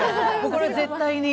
これ、絶対に。